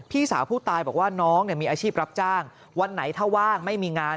พี่สาวผู้ตายบอกว่าน้องมีอาชีพรับจ้างวันไหนถ้าว่างไม่มีงาน